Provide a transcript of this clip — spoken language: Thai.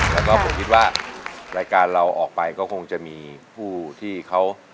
แล้วก็ผมคิดว่ารายการเราออกไปก็คงจะมีผู้ที่เขา